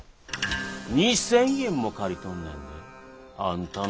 ２，０００円も借りとんねんであんたのお父ちゃん。